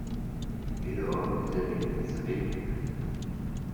Jo kde není zvyk…